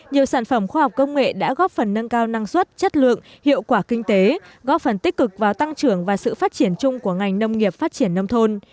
nhiều sản phẩm khoa học công nghệ đã góp phần nâng cao năng suất chất lượng hiệu quả kinh tế góp phần tích cực vào tăng trưởng và sự phát triển chung của ngành nông nghiệp phát triển nông thôn